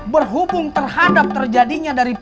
berhubung terhadap terjadinya dari